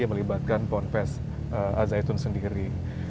yang melibatkan ponpes al zaitun sendiri